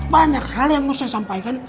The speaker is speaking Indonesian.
banyak hal yang mau saya sampaikan